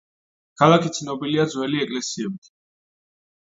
ქალაქი ცნობილია ძველი ეკლესიებით.